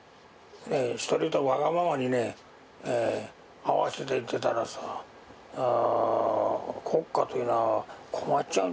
一人のわがままにね合わせてたらさ国家というのは困っちゃうんじゃないかなぁ。